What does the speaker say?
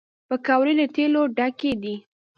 پکورې له تیلو نه ډکې دي